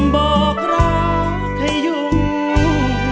บอกรักเธอยุ่ง